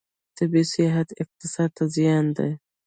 طبي سیاحت اقتصاد ته زیان دی.